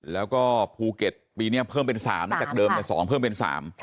แล้วก็ภูเก็ตปีนี้เพิ่มเป็น๓นะจากเดิม๒เพิ่มเป็น๓